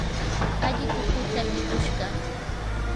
alliku hutsallikushqa.